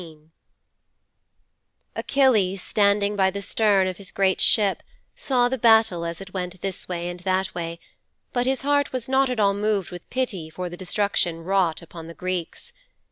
XIV Achilles, standing by the stern of his great ship, saw the battle as it went this way and that way, but his heart was not at all moved with pity for the destruction wrought upon the Greeks.